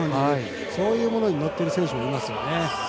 そういうものに乗ってる選手もいますよね。